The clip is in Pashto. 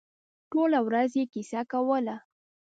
ټوله ورځ یې کیسه کوله.